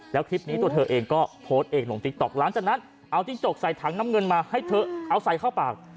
แล้วคลิปนี้ตัวเธอเองก็โพสต์เองลงติ๊กต๊อกหลังจากนั้นเอาจิ้งจกใส่ถังน้ำเงินมาให้เธอเอาใส่เข้าปาก